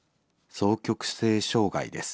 双極性障害です。